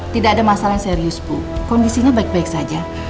tidak ada masalah yang serius bu kondisinya baik baik saja